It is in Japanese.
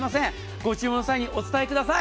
ご注文の際にお伝えください。